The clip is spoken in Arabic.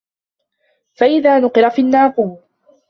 فَإِذا نُقِرَ فِي النّاقورِ